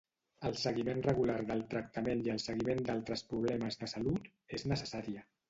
El seguiment regular del tractament i el seguiment d'altres problemes de salut és necessària.